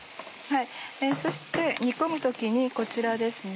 そして煮込む時にこちらですね。